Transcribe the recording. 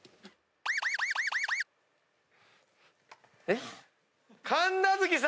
えっ⁉